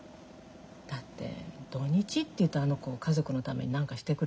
だって土日っていうとあの子家族のために何かしてくれるのよ。